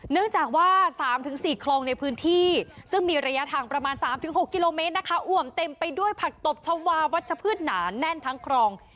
เนื่องจากว่า๓๔คลองในพื้นที่ซึ่งมีระยะทางประมาณ๓๖กิโลเมตรนะคะอ่วมเต็มไปด้วยผักตบชาวาวัชพืชหนาแน่นทั้งคลอง